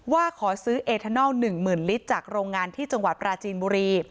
ว่าขอซื้อเอทานอล๑๐๐๐ลิตรจากโรงงานที่จังหวัดปราจีนบุรี